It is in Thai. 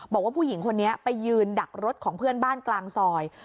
บอกว่าผู้หญิงคนนี้ไปยืนดักรถของเพื่อนบ้านกลางซอย